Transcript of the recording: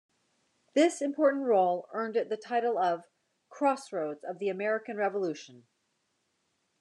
This important role earned it the title of "Crossroads of the American Revolution".